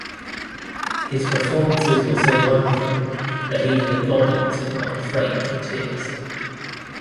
His performances were so wonderful that even the goblins could not refrain from tears.